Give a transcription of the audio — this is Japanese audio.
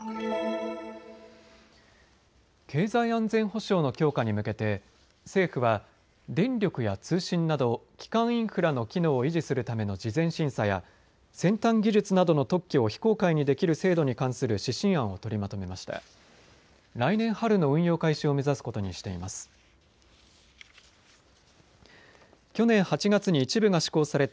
経済安全保障の強化に向けて政府は電力や通信など基幹インフラの機能を維持するための事前審査や先端技術などの特許を非公開にできる制度に関する指針案を取りまとめました。